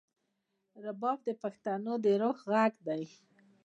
رباب د پښتنو د روح غږ دی.